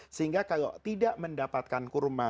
sehingga kalau tidak mendapatkan kurma